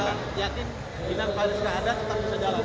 dinan faris yang ada tetap bisa jalan